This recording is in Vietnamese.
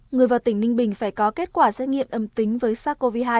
người vào tỉnh ninh bình phải có kết quả xét nghiệm âm tính với sars cov hai